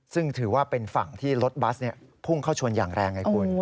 ซึ่งถือว่าเป็นฝั่งที่รถบัสพุ่งเข้าชนอย่างแรงไงคุณ